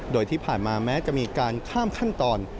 โดยที่ผ่านมาแม้จะมีการข้ามขั้นตอน